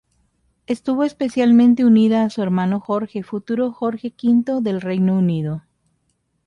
Estuvo especialmente unida a su hermano Jorge, futuro Jorge V del Reino Unido.